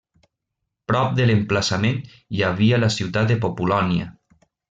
Prop de l'emplaçament hi havia la ciutat de Populònia.